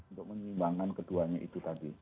untuk menyimbangkan keduanya itu tadi